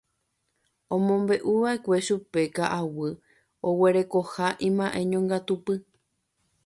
Omombe'uva'ekue chupe ka'aguy oguerekoha imba'eñongatupy.